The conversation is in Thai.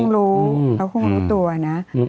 เขาก็คงรู้เขาก็คงรู้ตัวนะ